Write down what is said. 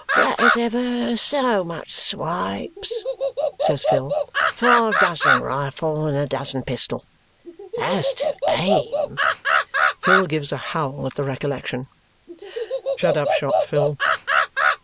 "Flat as ever so much swipes," says Phil. "Five dozen rifle and a dozen pistol. As to aim!" Phil gives a howl at the recollection. "Shut up shop, Phil!"